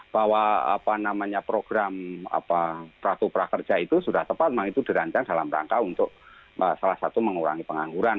bahwa program kartu prakerja itu sudah tepat memang itu dirancang dalam rangka untuk salah satu mengurangi pengangguran